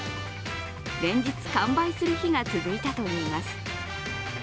連日、完売する日が続いたといいます。